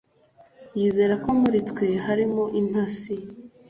yizera ko muri twe harimo intasi